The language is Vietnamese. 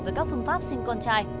về các phương pháp sinh con trai